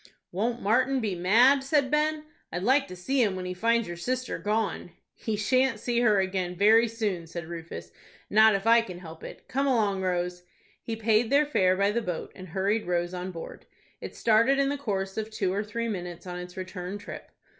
"Won't Martin be mad?" said Ben. "I'd like to see him when he finds your sister gone." "He shan't see her again very soon," said Rufus, "not if I can help it. Come along, Rose." He paid their fare by the boat, and hurried Rose on board. It started in the course of two or three minutes on its return trip.